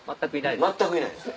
全くいないです